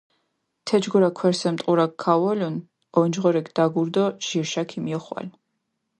თეჯგურა ქვერსემ ტყურაქ ქაუოლუნ, ონჯღორექ დაგურჷ დო ჟირშა ქომიოხვალ.